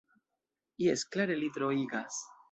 Jes klare, li troigas.